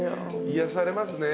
癒やされますね。